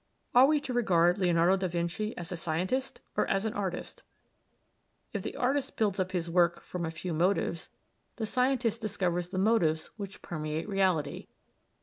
Are we to regard Leonardo da Vinci as a scientist or as an artist? If the artist builds up his work from a few motives, the scientist discovers the motives which permeate reality.